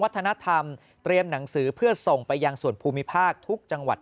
เตรียมหนังสือเพื่อส่งไปยังส่วนภูมิภาคทุกจังหวัด